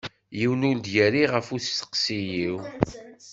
Yiwen ur d-yerri ɣef usteqsi-w.